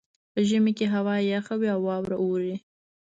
په ژمي کې هوا یخه وي او واوره اوري